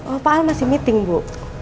oh pak al masih meeting bu